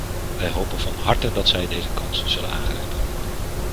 Wij hopen van harte dat zij deze kans zullen aangrijpen.